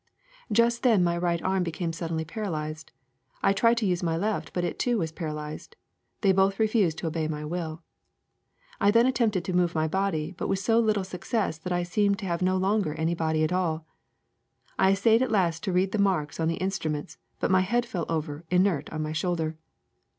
*' 'Just then my right arm became suddenly para lyzed. I tried to use my left, but it too was para lyzed. They both refused to obey my will. I then attempted to move my body, but with so little suc cess that I seemed to have no longer any body at all. I essayed at least to read the marks on the instru ments, but my head fell over, inert, on my shoulder.